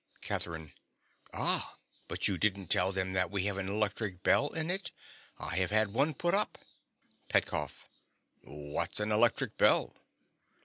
CATHERINE. Ah; but you didn't tell them that we have an electric bell in it? I have had one put up. PETKOFF. What's an electric bell?